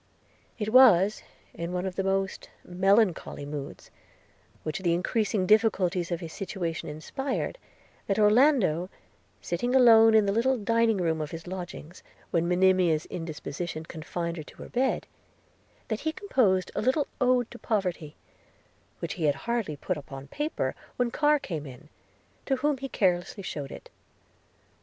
It was in one of the most melancholy moods, which the increasing difficulties of his situation inspired, that Orlando, sitting alone in the little dining room of his lodgings, when Monimia's indisposition confined her to her bed, that he composed a little ode to Poverty, which he had hardly put upon paper, when Carr came in, to whom he carelessly shewed it.